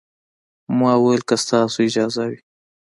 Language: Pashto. ما وويل که ستاسو اجازه وي.